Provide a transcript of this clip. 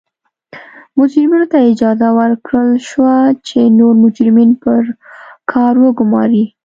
مجرمینو ته اجازه ورکړل شوه چې نور مجرمین پر کار وګوماري.